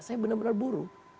saya benar benar buruh